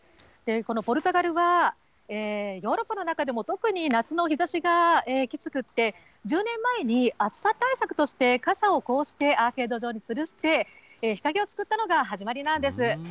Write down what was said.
このポルトガルは、ヨーロッパの中でも特に夏の日ざしがきつくて、１０年前に暑さ対策として、傘をこうしてアーケード状につるして、日陰を作ったのが始まりなんです。